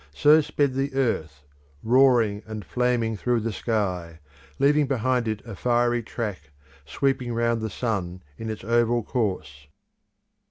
So sped the earth, roaring and flaming through the sky, leaving behind it a fiery track, sweeping round the sun in its oval course.